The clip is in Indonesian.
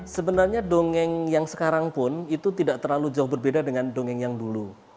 sebenarnya dongeng yang sekarang pun itu tidak terlalu jauh berbeda dengan dongeng yang dulu